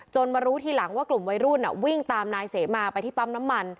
มารู้ทีหลังว่ากลุ่มวัยรุ่นวิ่งตามนายเสมาไปที่ปั๊มน้ำมัน